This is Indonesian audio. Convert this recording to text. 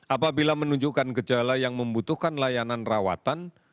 apabila menunjukkan gejala yang membutuhkan layanan rawatan